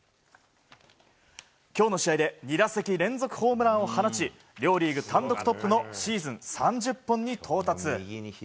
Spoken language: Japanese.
今日の試合で２打席連続ホームランを放ち両リーグ単独トップのシーズン３０本に到達。